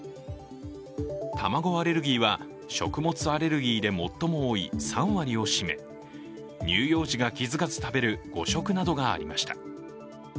卵アレルギーは、食物アレルギーで最も多い３割を占め乳幼児が気づかず食べる誤食などがありました。